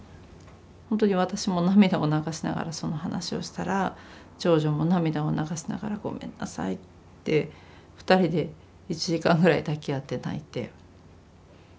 ほんとに私も涙を流しながらその話をしたら長女も涙を流しながら「ごめんなさい」って２人で１時間ぐらい抱き合って泣いて。